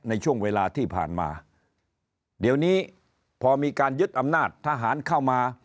ในช่วงเวลาที่ผ่านมาเดี๋ยวนี้พอมีการยึดอำนาจทหารเข้ามา